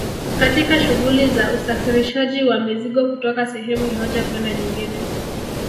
katika shughuli za usafirishaji wa mizigo kutoka sehemu moja kwenda nyingine